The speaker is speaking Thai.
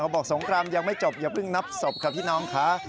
บอกสงครามยังไม่จบอย่าเพิ่งนับศพค่ะพี่น้องค่ะ